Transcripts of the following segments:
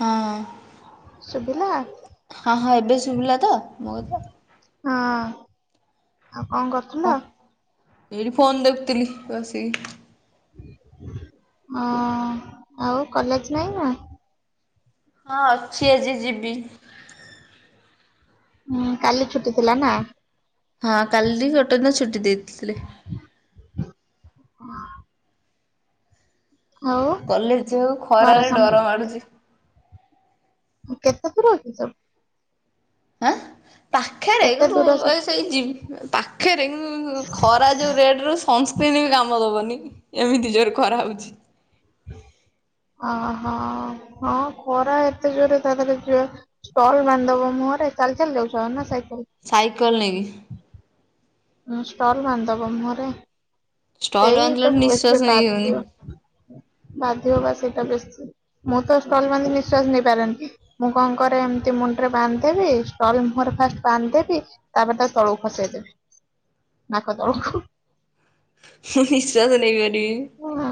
ହଁ ଶୁଭିଲା ହଁ ହଁ ଏବେ ଶୁବିଲା ତ ମୋ କଥା? ହଁ ଆଉ କଣ କ କଣ? ଏଇଠି ଫୋନ୍ ଦେଖୁଥିଲି ବସିକି। ହଁ ଆଉ କଲେଜ ନାହିଁ ନା? ହଁ ଅଛି ଆଜି ଯିବି। ହୁଁ କାଲି ଛୁଟି ଥିଲା ନା। ହଁ କାଲି ଗୋଟେ ଦିନ ଛୁଟି ଦେଇଥିଲେ। [inaudible] ହଁ। କଲେଜ ଜିବାକୁ ଘର ଖରାରେ ସମ ଡର ମାଡୁଚି। କେତେ ଥର ଉଠିଚ? ଆଁ ପାଖରେ କେତେ କିନ୍ତୁ ଦୂର ଏ ସବୁ ସେଇ ଜି ପାଖରେ କିନ୍ତୁ କିନ୍ତୁ ଖରା ଯୋଉ ରେଟରେ ହୋଉଚି ସଂ ସନ୍ ସ୍କିନ ବି କାମ ଦବନି ଏମିତି ଜୋରେ ଖରା ହୋଉଚି। ହ ଅହ ହଁ ଖରା ଏତେ ଜୋରେ ତା ଦେହରେ ଯୋ ଷ୍ଟଲ ବାନ୍ଦି ଦବ ମୁହଁରେ ଚାଲି ଚାଲି ଯାଉଚ ନା ସାଇକେଲ? ସାଇକେଲ ନେଇକି। ଉଁ ଷ୍ଟଲ ବାନ୍ଦି ଦବ ମୁହଁରେ ଷ୍ଟଲ ସେଇ ତ ବାନ୍ଧିଲାଠୁ ନିଶ୍ଵାସ ବେଶୀ ନେଇ ହଉନି। ବାଧିବ। ବାଧିବ ପା ସେଇଟା ବେଶୀ। ମୁଁ ତ ଷ୍ଟଲ ବାନ୍ଧି ନିଶ୍ବାସ ନେଇ ପାରେନି। ମୁଁ କଣ କରେ ଏମିତି ମୁଣ୍ଡରେ ବାନ୍ଦି ଦେବି ଷ୍ଟଲ ମୁହଁରେ ଫାଷ୍ଟ ବାନ୍ଦି ଦେବି। ତାପରେ ତାକୁ ତଳକୁ ଖସେଇ ଦେବି। ନାକ ତଳଖୁ। [unintelligible] ମୁଁ ନିଃଶ୍ଵାସ ନେଇପାରିବି ହଁ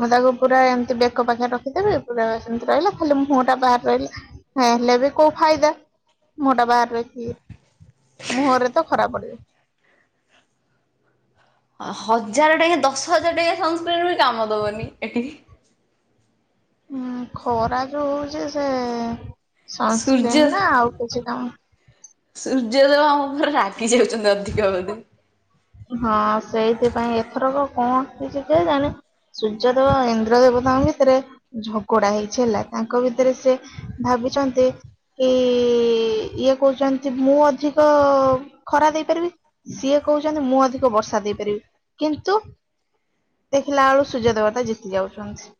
ମୁଁ ତାକୁ ପୁରା ଏମିତି ବେକ ପାଖରେ ରଖିଦେବି ପୁରା ସେମିତି ରହିଲା ଖାଲି ମୁହଁଟା ବାହାରେ ରହିଲା। ହେଲେ ବି କୋଉ ଫାଇଦା ମୁଁହଟା ବାହାରେ ରଖିକି। ମୁହଁରେ ତ ଖରାପ ପଡ଼ିବ। ହଜାର ଟାଙ୍କ ଦଶ ହଜାର ଟଙ୍କିଆ ସନସ୍କ୍ରିନ ବି କାମ ଦବନି ଏଠି। ଉଁ ଖରା ଯୋଉ ହୋଉଚି ସେ ସନ୍ସକ୍ରିନ ସୂର୍ଯ୍ୟ ନା ଆଉ କିଛି କାମ ସୂର୍ଯ୍ୟଦେବ ଆମ ଉପରେ ରାଗି ଯାଉଚନ୍ତି ଅଧିକା ବୋଲି। ହଁ ସେଇଥିପାଇଁ ଏଥରକ କଣ କିଛି କେଇଜାଣି ସୂର୍ଯ୍ୟଦେବ ଇନ୍ଦ୍ର ଦେବତାଙ୍କ ଭିତରେ ଝଗଡା ହେଇଛି ହେଲା ତାଙ୍କ ଭିତରେ ସେ ଭାବିଚନ୍ତି କି ଇଏ କୋହୁଚନ୍ତି ମୁଁ ଅଧିକ ଖରା ଦେଇ ପାରିବି ସିଏ କୋହୁଚନ୍ତି ମୁଁ ଅଧିକ ବର୍ଷା ଦେଇପାରିବି କିନ୍ତୁ ଦେଖିଲା ବେଳୁ ସୂର୍ଯ୍ୟ ଦେବତା ଜିତି ଯାଉଚନ୍ତି।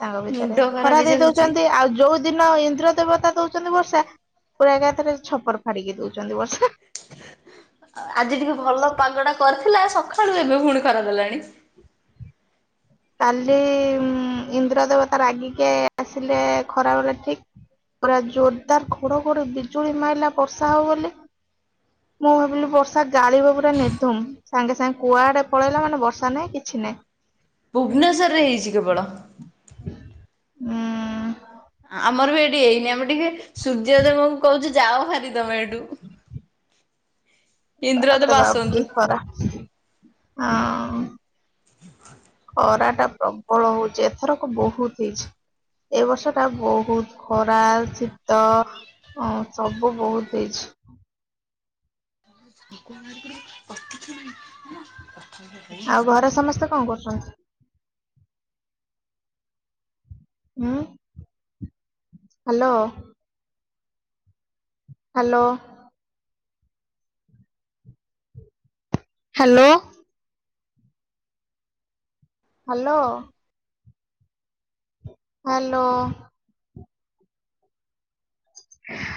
ତାଙ୍କ ମୁଣ୍ଡ ଭିତରେ ଖରାପ ଖରା ଦେଇ ହେଇଯାଉଛି। ଦୋଉଚନ୍ତି ଆଉ ଯୋଉ ଦିନ ଇନ୍ଦ୍ର ଦେବତା ଦୋଉଚନ୍ତି ବର୍ଷା ପୁରା ଏକାଥରେ ଛପର ଫାଡିକି ଦୋଉଚନ୍ତି ବର୍ଷା। ଆଜି ଟିକେ ଭଲ ପାଗଟା କରିଥିଲା ସଖାଳୁ ଏବେ ଫୁଣି ଖରା ଦେଲାଣି। କାଲି ଉଁ ଇନ୍ଦ୍ର ଦେବତା ରାଗିକେ ଆସିଲେ ଖରା ବେଳେ ଠିକ ପୁରା ଜୋରଦାର ଘଡଘଡି ବିଜୁଳି ମାଇଲା ବର୍ଷା ହବ ବୋଲି। ମୁଁ ଭାବିଲି ବର୍ଷା ଗାଳିବ ପୁରା ନିର୍ଧୁମ। ସାଙ୍ଗେ ସାଙ୍ଗେ କୁଆଡେ ପଳେଇଲା ମାନେ ବର୍ଷା ନାହିଁ କିଛି ନାହିଁ। ଭୁବନେଶ୍ୱରରେ ହେଇଚି କେବଳ। ହୁଁ। ଆମର ବି ଏଠି ଏଇନି ଆମେ ଟିକେ ସୂର୍ଯ୍ୟଦେବଙ୍କୁ କୋହୁଚୁ ଯାଅ ଭାରି ତମେ ଏଠୁ। ହ ତାପରେ ବାପ କି ଖରା ହଁ। ଭ ଖରାଟା ପ୍ରବଳ ହୋଉଚ ଏଥରକ ବୋହୁତ ହେଇଚି। ଏ ବର୍ଷଟା ବୋହୁତ ଖରା ଶୀତ ଅ ସବୁ ବୋହୁତ ହେଇଚି। [unintelligible] ପ୍ରତିକ୍ଷା ନାହିଁ ମାନେ ଆଉ ଘରେ ସମସ୍ତେ କଣ କରୁଚନ୍ତି? ଉଁ hello. Hello. Hello. Hello. Hello.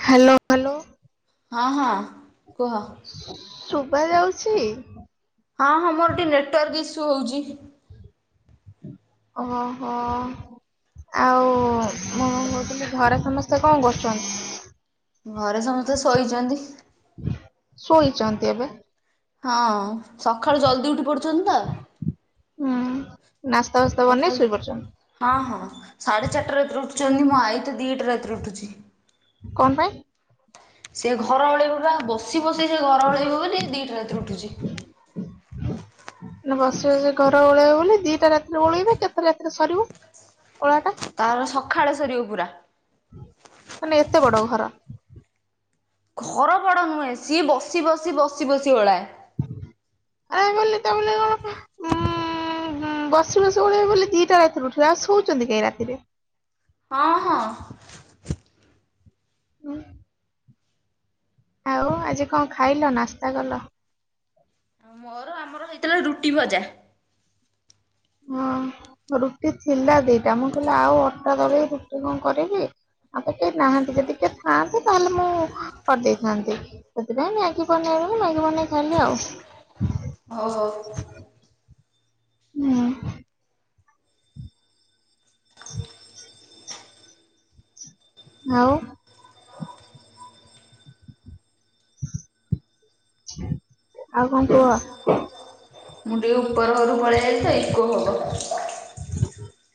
Hello hello. ହଁ ହଁ କୁହ। ଶୁବାଯାଉଛି? ହଁ ହଁ ମୋର ଟିକେ ନେଟୱାର୍କ ଇସୁ ହୋଉଚି। ଓହୋ ହୋ। ଆଉ ମୁଁ କଣ କୋହୁଥୁଲି ଘରେ ସମସ୍ତେ କଣ କରୁଚନ୍ତି? ଘରେ ସମସ୍ତେ ଶୋଇଚନ୍ତି। ଶୋଇଚନ୍ତି ଏବେ? ହଁ। ସଖାଳୁ ଜଲଦି ଉଠିପଡୁଛନ୍ତି ତ। ଉଁ। ନାସ୍ତା ଫାସ୍ତା ଆଉ କଣ ହଁ ହଁ ସାଢ଼େ ଚାରଟାରେ ଏତରେ ଉଠୁଚନ୍ତି ମୋ ଆଇ ତ ଦିଇଟା ରାତିରୁ ଉଠୁଚି। କଣ ପାଇଁ? ସେ ଘର ଓଳେଇବ ବା ବସି ବସି ସେ ଘର ଓଳେଇବ ବୋଲି ଦିଟା ରାତିରେ ଉଠୁଛି। [inaudible] ନା ବସି ବସି ଘର ଓଳେଇବେ ବୋଲି ଦିଟା ରାତିରୁ ଓଳେଇବ କେତେ ରାତିରେ ସରିବ। ଓଳାଟା। ତାର ସଖାଳେ ସରିବ ପୁରା। ମାନେ ଏତେ ବଡ ଘର। ଘର ବଡ଼ ନୁହେଁ ସିଏ ବସି ବସି ବସି ବସି ଓଳାଏ। ଆ ବୋଲି ତା ବୋଲି କଣ ଉମ୍ ହୁଁ ହୁଁ ବସି ବସି ଓଳେଇବେ ବୋଲି ଦିଟା ରାତିରୁ ଉଠିବେ ଆଉ ଶୋଉଛନ୍ତି କାଇଁ ରାତିରେ। ହଁ ହଁ। ହୁଁ। ଆଉ ଆଜି କଣ ଖାଇଲ ନାସ୍ତା କଲ? ମୋର ଆମର ହେଇଥିଲା ରୁଟି ଭଜା। ହଁ ରୁଟି ଥିଲା ଦିଟା ମୁଁ କହିଲି ଆଉ ଅଟା ଦଳିକି ରୁଟି କଣ କରିବି। ଆଉ ତ କେହି ନାହାନ୍ତି ଯଦି କିଏ ଥାଆନ୍ତେ ତାହେଲେ ମୁଁ କରଦେଇଥାନ୍ତି। ସେଥିପାଇଁ ମ୍ୟାଗି ବନେଇଦେଲି ମ୍ୟାଗି ବନେଇ ଖାଇଲି ଆଉ। ହଉ ହଉ। ହୁଁ। [unintelligible] ଆଉ। ଆଉ କଣ କୁହ? ମୁଁ ଟିକେ ଉପର ଘରୁ ପଳେଇ ଆଇଲି ତ ଇକୋ ହବ।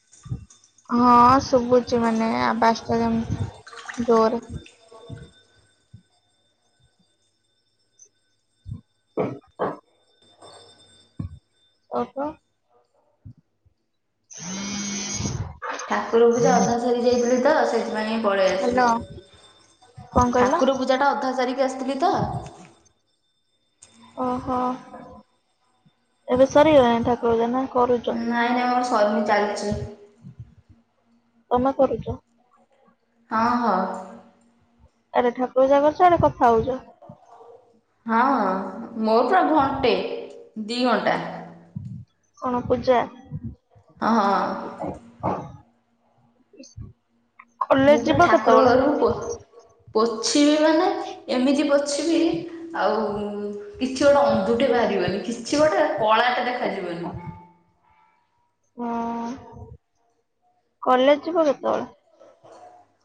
[inaudible] ହଁ ଶୁଭୁଛି ମାନେ ଆବାଜଟା ଯେମତି ଜୋରେ। [unintelligible] ଓକେ। [unintelligible] ଠାକୁର ପୂଜା ଅଧା ସାରି ଦେଇଥିଲି ତ ସେଥିପାଇଁ ପଳେଇ ଆସିଲି ହ୍ୟାଲୋ କଣ କହିଲ ଠାକୁର ପୂ ଜାଟା ଅଧା ସାରିକି ଆସିଥିଲି ତ। ଓହୋ ଏବେ ସରିଗଲାଣି ଠାକୁର ପୂଜା ନା କରୁଚ? ନାଇଁ ନାଇଁ ମୋର ସରିନି ଚାଲଚି। ତମେ କରୁଚ? ହଁ ହଁ। ଆରେ ଠାକୁର ପୂଜା କରୁଚ ଆଡେ କଥା ହଉଛ। ହଁ ହଁ ମୋର ତ ଘଣ୍ଟେ ଦି ଘଣ୍ଟା। କଣ ପୂଜା? ଅ ହଁ। ହ [unintelligible] ମୁଁ ପୁରା ଠାକୁର ଘରକୁ ପୋ ପୋଛିବି ମାନେ ଏମିତି ପୋଛିବି। ଆଉ କିଛି ଗୋଟେ ଅନ୍ଧୁଟେ ବାହାରିବନି କିଛି ଗୋଟେ କଳାଟେ ଦେଖାଯିବନି। ହଁ କଲେଜ ଯିବ କେତେବେଳେ?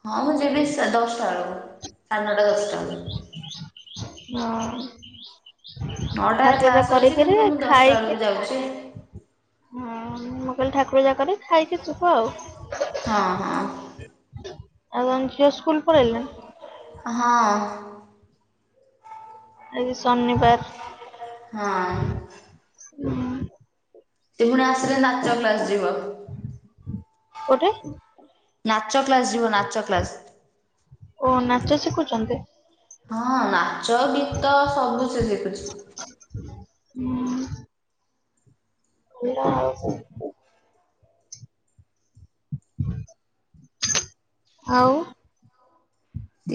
ହଁ ମୁଁ ଯିବି ଦଶଟା ବଳୁକୁ ସାଢ଼େ ନଅଟା ଦଶଟା ବେଳକୁ। ହଁ। ନଅଟାରେ ଠାକୁର ପୂଜା କ୍ଲାସ୍ ଅଛି କରିକିରି କିନ୍ତୁ ମୁଁ ଦଶଟା ବେଳକୁ ଖାଇକିରି। ଯାଉଛି ହଁ ମୁଁ କହିଲି ଠାକୁର ଜାକରେ ଖାଇକି ଯିବ ଆଉ। ହଁ ହଁ। ଆଉ କଣ ଝିଅ ସ୍କୁଲ ପଳେଇଲାଣି? ହଁ। ଆଜ ଶନିବାର। ହଁ। ହୁଁ। ସେ ପୁଣି ଆସିଲେ ନାଚ କ୍ଲାସ ଯିବ। କୋଉଠେ? ନାଚ କ୍ଲାସ ଯିବ ନାଚ କ୍ଲାସ। ଓ ନାଚ ଶିଖୁଛନ୍ତି? ହଁ ନାଚ ଗୀତ ସବୁ ସେ ଶିଖୁଛି। ହୁଁ। ଭଲ ଆଉ କଣ। ଆଉ?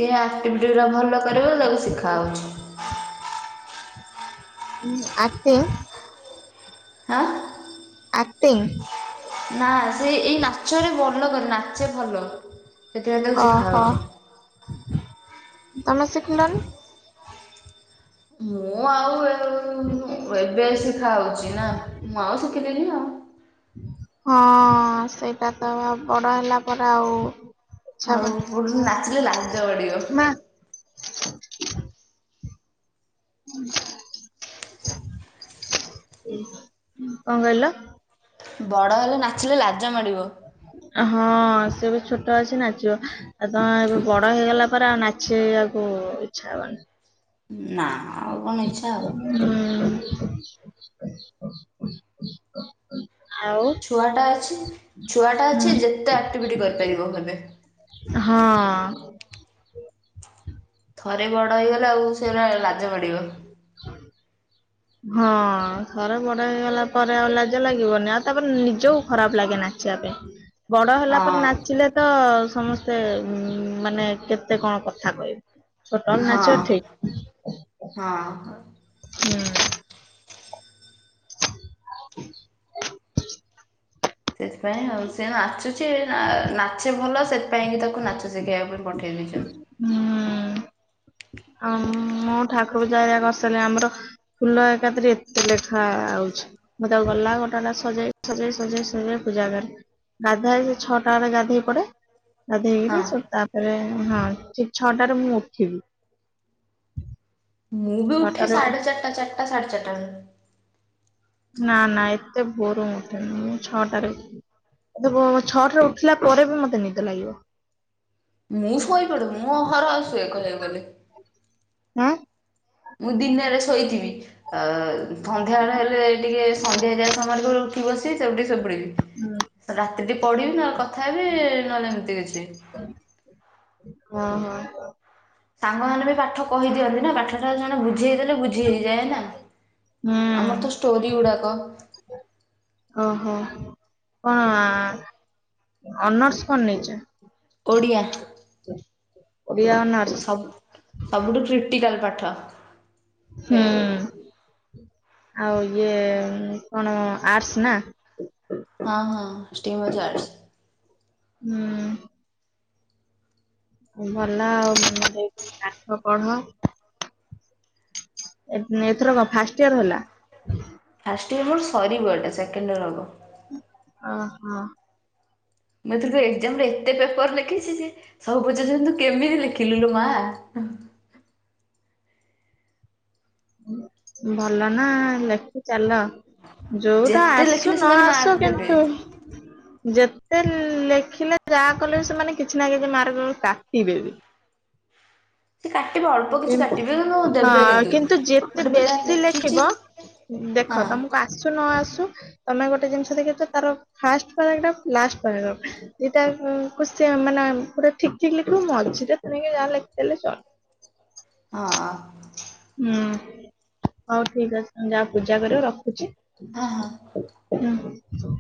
ଇଏ ଆକ୍ଟିଭିଟି ଗୁଡ଼ା ଭଲ କରିବ ତାକୁ ଶିଖାହୋଉଛି। ହୁଁ ଅକଟିଂଗ? ହଁ। ଆକ୍ଟିଂ? ନା ସେ ଏଇ ନାଚରେ ଭଲ କରେ ନାଚେ ଭଲ। ସେଥିପାଇଁ ତାକୁ ଶିଖା ଓହୋ ହଉଛି। ତମେ ଶିଖିଲନି? ମୁଁ ଆଉ ଏବେ ଶିଖା ହଉଛି ନା ମୁଁ ଆଉ ଶିଖିଲିନି ଆଉ। ହଁ ସେଇଟା ତ ବଡ ହେଲା ପରେ ଆଉ ଇଚ୍ଛା ଆଉ ହବନି ପୁଣି ନାଚିଲେ ଲାଜ ମାଡିବ। ମା ହୁଁ। କଣ କହିଲ? ବଡ଼ ହେଲେ ନାଚିଲେ ଲାଜ ମାଡ଼ିବ। ହଁ ସେ ଏବେ ଛୋଟ ଅଛି ନାଚିବ। ଆ ତମେ ଏବେ ବଡ ହେଇଗଲା ପରେ ଆଉ ନାଚିବାକୁ ଇଚ୍ଛା ହବନି। ନା। ଆଉ କଣ ଇଚ୍ଛା ଆଉ। ହୁଁ। ଆଉ ଛୁଆଟା ଅଛି ଛୁଆଟା ଅଛି ହୁଁ ଯେତେ ଆକ୍ଟିଭିଟି କରିପାରିବ ଏବେ। ହଁ। ଥରେ ବଡ ହେଇଗଲେ ଆଉ ସେ ଲାଜ ମାଡିବ। ହଁ ଥରେ ବଡ ହେଇଗଲା ପରେ ଆଉ ଲାଜ ଲାଗିବନି ଆଉ ତାପରେ ନିଜକୁ ଖରାପ ଲାଗେ ନାଚିବା ପାଇଁ। ହ ବଡ ହେଲା ପରେ ନାଚିଲେ ତ ସମସ୍ତେ ମାନେ କେତେ କଣ କଥା କହିବେ। ଛୋଟବେଳେ ନାଚିବ ହଁ ଠିକ ହଁ। ହୁଁ। [inaudible] ସେଥିପାଇଁ ଆଉ ସେ ନାଚୁଚି ନାଚେ ଭଲ ସେଥିପାଇଁକି ତାକୁ ନାଚ ଶିଖେଇବା ପାଇଁ ପଠାଏ। ଟେଲିଭିଜନ। ହୁଁ। ଆ ମୁଁ ଠାକୁର ପୂଜା ହେରିକା କରିସାରିଲେ ଆମର ନା ଏକାଥରେ ଏତେ ଲେଖା ଆଉଛି। ମୁଁ ତ ଗଲା ଗୋଟେ ଗୋଟେ ସଜେଇ ସଜେଇ ସଜେଇ ସଜେଇ ପୂଜା କରେ। ଗାଧାଏ ଛଅଟା ବେଳେ ଗାଧେଇ ପଡେ। ଗାଧେଇ ହଁ କିରି ଶୋ ତାପରେ ହଁ ଠିକି ଛଅଟାରେ ମୁଁ ଉଠିବି। ମୁଁ ବି ଉଠେ ଛଅଟାରେ ଉ- ସାଢେ ଚାଟା ଚାଟା ସାଢେଚାଟାରୁ। ନା ନା ଏତେ ଭୋରୁ ମୁଁ ଉଠେନା ମୁଁ ଛଅଟାରେ। ଏତେ ଭୋରୁ ଛଅଟା ରୁ ଉଠିଲା ପରେବି ମୋତେ ନିଦ ଲାଗିବ। ମୁଁ ଶୋଇପଡୁ ମୁଁ ଅହରହ ଶୁଏ କହିଆକୁ ଗଲେ। ହୁଁ। ମୁଁ ଦିନରେ ଶୋଇଥିବି। ଅ ସନ୍ଧ୍ୟାବେଳେ ହେଲେ ଟିକେ ସନ୍ଧ୍ୟା ଦିଆ ଯିବା ସମୟରେ [unintelligible] ମୁଁ ବି ସେଇ ଜଲ୍ଦି ଶୋଇପଡ଼ିବି ରାତି ଟିକେ ପଢିବି ନହେଲେ କଥା ହେବି ନହେଲେ ଏମିତି କିଛି। ହଁ ହଁ। ସାଙ୍ଗ ମାନେବି ପାଠ କହିଦିଅନ୍ତି ନା ପାଠ ଟା ଜଣେ ବୁଝେଇଦେଲେ ବୁ ବୁଝି ହେଇଯାଏ ନା। ହୁଁ। ଆମର ତ ଷ୍ଟୋରି ଗୁଡାକ। ଓହୋ କଣ ଆ ଅନର୍ସ କଣ ନେଇଛ? ଓଡ଼ିଆ। ଓଡ଼ିଆ ଅନର୍ସ। ଅବ ସବୁଠୁ କ୍ରିଟିକାଲ ପାଠ। ହୁଁ କହିବାକୁ ଗଲେ। ଆଉ ଇଏ କଣ ଆର୍ଟ୍ସ ନା? ହଁ ହଁ ହିଷ୍ଟ୍ରି ହଉଛି ଆର୍ଟ୍ସ। ହୁଁ। ଭଲ ଆଉ ପାଠ ପଢ। ଏତେ ଏଥର କଣ ଫାଷ୍ଟ ଇୟର ହେଲା। ଫାଷ୍ଟଇଅର ମୋର ସରିବ ଏଇଟା ସେକେଣ୍ଡଇୟର ହବ। ଓ ହୋ। ମୁଁ ଏଥର ଏକ୍ଜାମରେ ଏତେ ପେପର୍ ଲେଖିଚି ଯେ। ସବୁ ପଚାରୁଛନ୍ତି ତୁ କେମିତି ଲେଖିଲୁୁ ଲୋ ମା? ଭଲ ନା ଲେଖି ଚାଲ। ଯୋଉଟା ଯେତେ ଆସୁ ଲେଖିଲେ ନ ସେମାନେ ଆସୁ ମାର୍କ ଦେବେ। କିନ୍ତୁ ଯେତେ ଲେଖିଲେ ଯାହା କଲେ ବି ସେମାନେ କିଛି ନା କିଛି ମାର୍କ କାଟିଦେବେ। ସେ କାଟିବେ ଅଳ୍ପ କିଛି କାଟିବେ କିନ୍ତୁ ଦେବେ ହଁ କିନ୍ତୁ ଯେତେ ଗୋଟେ ପିଲା ବେଶୀ ଲେଖିଛି ଲେଖିବ। ହଁ ଦେଖ ତମକୁ ଆସୁ ନ ଆସୁ। ତମେ ଗୋଟେ ଜିନିଷ ଦେଖିଛ ତାର ଫାଷ୍ଟ ପାରାଗ୍ରାଫ ଲାଷ୍ଟ ପାରାଗ୍ରାଫ। ଦିଟାକୁ କି ସେ ମାନେ ପୁରା ଠିକି ଠିକି ଲେଖିବୁ ମଝିରେ ତେଣିକି ଯାହା ଲେଖିଦେଲେ ଚଳିବ। ହଁ। ହୁଁ ହଉ ଠିକି ଅଛି ଯା ପୂଜା କରିବ ରଖୁଛି। ହଁ ହଁ। ହୁଁ।